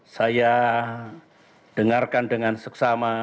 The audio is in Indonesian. saya dengarkan dengan seksama